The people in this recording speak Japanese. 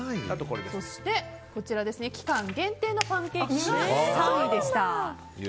そして、期間限定のパンケーキが３位でした。